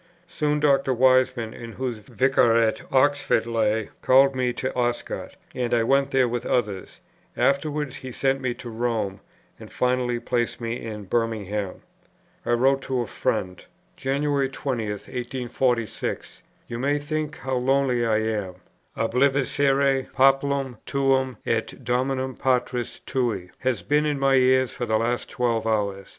Soon, Dr. Wiseman, in whose Vicariate Oxford lay, called me to Oscott; and I went there with others; afterwards he sent me to Rome, and finally placed me in Birmingham. I wrote to a friend: "January 20, 1846. You may think how lonely I am. 'Obliviscere populum tuum et domum patris tui,' has been in my ears for the last twelve hours.